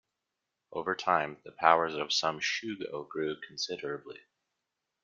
Over time, the powers of some "shugo" grew considerably.